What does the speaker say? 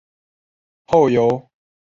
后由张世则接任。